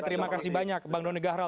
terima kasih banyak bang doni gahral